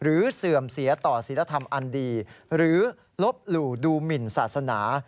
เสื่อมเสียต่อศิลธรรมอันดีหรือลบหลู่ดูหมินศาสนา